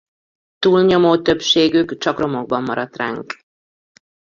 Túlnyomó többségük csak romokban maradt ránk.